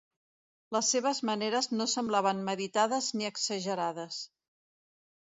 Les seves maneres no semblaven meditades ni exagerades.